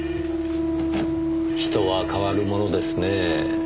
人は変わるものですねぇ。